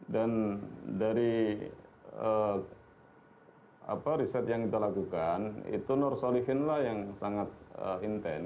dan dari apa riset yang kita lakukan itu nur sully hinnlah yang sangat intent